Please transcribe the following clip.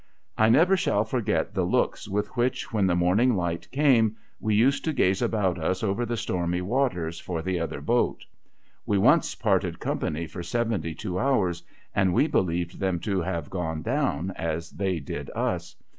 I never shall forget the looks with which, when the morning light came, we used to gaze about us over the stormy waters, for the other boat. We once parted company for seventy two hours, and we believed them to have gone down, as they did us.